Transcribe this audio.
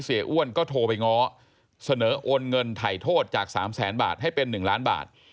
อ้วนก็โทรไปง้อเสนอโอนเงินถ่ายโทษจาก๓แสนบาทให้เป็น๑ล้านบาท